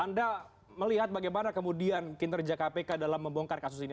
anda melihat bagaimana kemudian kinerja kpk dalam membongkar kasus ini